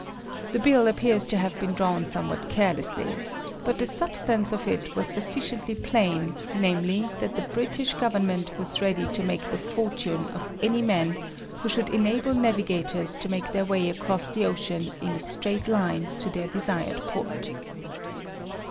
The bill appears to have been drawn somewhat carelessly; but the substance of it was sufficiently plain, namely, that the British Government was ready to make the fortune of any man who should enable navigators to make their way across the ocean in a straight line to their desired port.